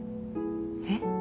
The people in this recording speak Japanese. えっ？